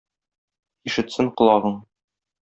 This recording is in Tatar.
Ишетсен колагың!